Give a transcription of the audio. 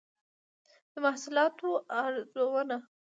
د محصولاتو ارزونه